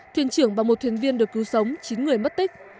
thuyền trưởng và một thuyền viên được cứu sống chín người mất tích